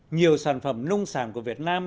nhiều sản phẩm nông sản của việt nam